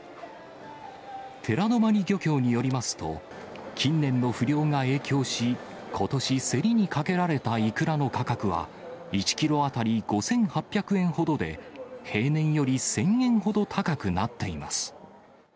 寺泊漁協によりますと、近年の不漁が影響し、ことし競りにかけられたイクラの価格は、１キロ当たり５８００円ほどで、平年より１０００円ほど高くなっています。